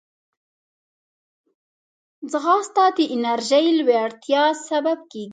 ځغاسته د انرژۍ لوړتیا سبب کېږي